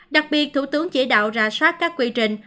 đặc biệt thủ tướng chỉ đạo ra sát các quy trình